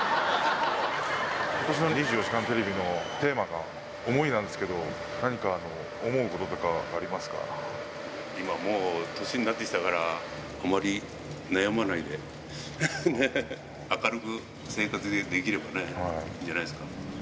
ことしの２４時間テレビのテーマが想いなんですけど、今もう年になってきたから、あまり悩まないで、明るく生活できればね、いいんじゃないですか。